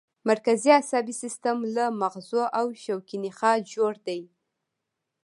مرکزي عصبي سیستم له مغزو او شوکي نخاع جوړ دی